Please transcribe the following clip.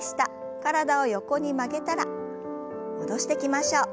体を横に曲げたら戻してきましょう。